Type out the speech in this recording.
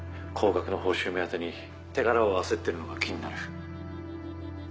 高額の報酬目当てに手柄を焦ってるのが気になる。